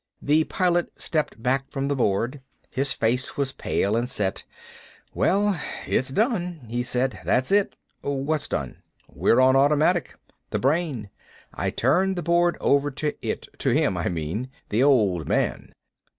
The Pilot stepped back from the board. His face was pale and set. "Well, it's done," he said. "That's it." "What's done?" Kramer said. "We're on automatic. The brain. I turned the board over to it to him, I mean. The Old Man."